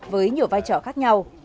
với nhiều vai trò khác nhau